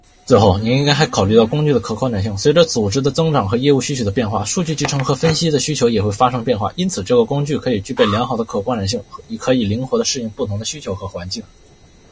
最后，您还应该考虑到工具的可扩展性。随着组织的增长和业务需求的变化，数据集成和分析的需求也会发生变化。因此，这个工具应该具备良好的可扩展性，可以灵活地适应不同的需求和环境。